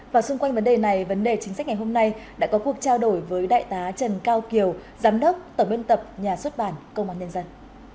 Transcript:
và xung quanh vấn đề này vấn đề chính sách ngày hôm nay đã có cuộc trao đổi với đại tá trần cao kiều giám đốc tổng biên tập nhà xuất bản công an nhân dân